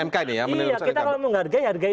mk nih ya iya kita kalau menghargai hargai